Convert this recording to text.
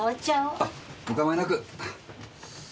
あお構いなく。